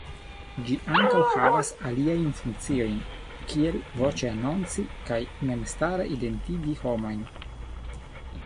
Ĝi ankaŭ havas aliajn funkciojn, kiel voĉe anonci kaj memstare identigi homojn.